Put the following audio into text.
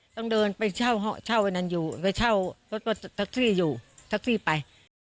ต้องเดินไปเช่าห้องเช่าอันนั้นอยู่ไปเช่ารถแท็กซี่อยู่แท็กซี่ไป